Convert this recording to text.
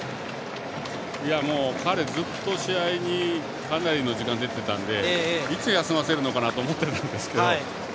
彼、ずっと試合にかなりの時間、出ていたんでいつ休ませるのかなと思ってたんですけど。